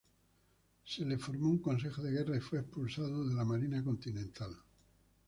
Se le formó un consejo de guerra y fue expulsado de la Marina continental.